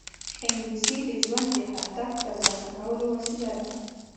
انګلیسي د ژوند د هدف ترلاسه کولو وسیله ده